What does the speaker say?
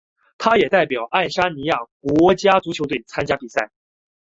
他也代表爱沙尼亚国家足球队参加比赛。